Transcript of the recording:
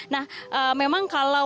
nah memang kalau